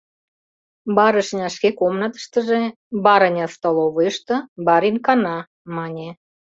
— Барышня шке комнатыштыже, барыня — столовыйышто, барин кана, — мане.